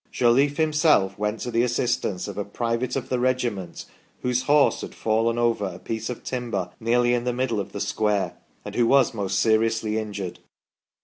Jolliffe himself went to the assistance of " a private of the regiment whose horse had fallen over a piece of timber nearly in the middle of the square, and who was most seriously injured